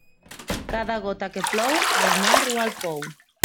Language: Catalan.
Cada gota que plou, a la mar o al pou.